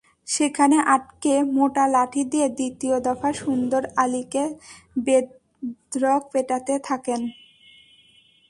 সেখানে আটকে মোটা লাঠি দিয়ে দ্বিতীয় দফা সুন্দর আলীকে বেধড়ক পেটাতে থাকেন।